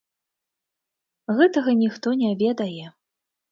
Гэтага ніхто не ведае.